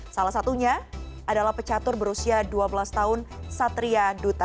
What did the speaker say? salah satunya adalah pecatur berusia dua belas tahun satria duta